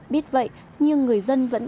biết vậy nhưng người dân vẫn bất ngờ